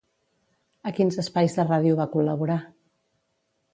A quins espais de ràdio va col·laborar?